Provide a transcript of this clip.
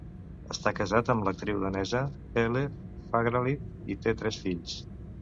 Està casat amb l'actriu danesa Helle Fagralid i té tres fills.